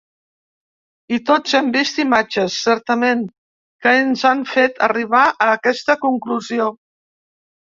I tots hem vist imatges, certament, que ens han fet arribar a aquesta conclusió.